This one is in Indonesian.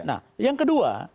nah yang kedua